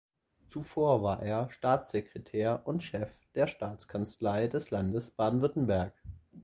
Zuvor war er Staatssekretär und Chef der Staatskanzlei des Landes Baden-Württemberg.